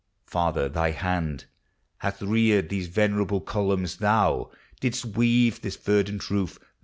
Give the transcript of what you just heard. Father, thy hand Hath reared these venerable columns, thou Didst weave this verdant roof.